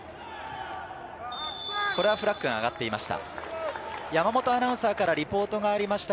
これはフラッグが上がっていました。